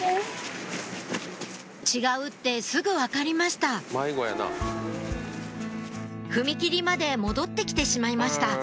違うってすぐ分かりました踏切まで戻って来てしまいました